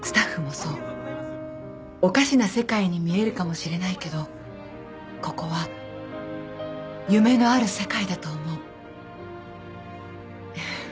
おかしな世界に見えるかもしれないけどここは夢のある世界だと思う。